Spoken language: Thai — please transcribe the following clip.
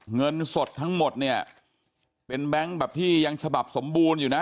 เงินสดทั้งหมดเนี่ยเป็นแบงค์แบบที่ยังฉบับสมบูรณ์อยู่นะ